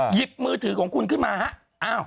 หยิบมือถือของคุณขึ้นมาฮะ